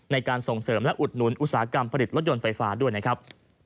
ในการส่งเสริมและอุดหนุนอุตสาหกรรมผลิตรถยนต์ไฟฟ้าด้วยนะครับ